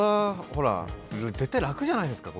絶対に楽じゃないですか。